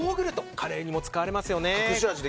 カレーにも使われますね。